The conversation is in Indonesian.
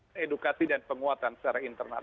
dan edukasi dan penguatan secara internal